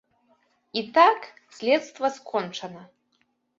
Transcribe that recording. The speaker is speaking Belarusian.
І так, следства скончана.